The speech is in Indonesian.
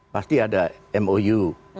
pasti ada mou